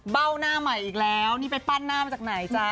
เบ้าหน้าใหม่อีกแล้วนี่ไปปั้นหน้ามาจากไหนจ๊ะ